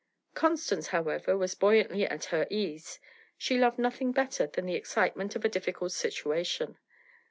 Constance, however, was buoyantly at her ease; she loved nothing better than the excitement of a difficult situation.